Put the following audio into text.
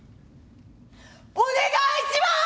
お願いします！